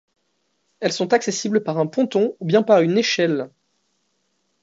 Elles sont accessibles par un ponton ou bien par une échelle.